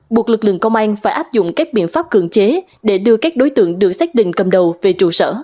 buộc lực lượng công an phải áp dụng các biện pháp cường chế để đưa các đối tượng được xác định cầm đầu về trụ sở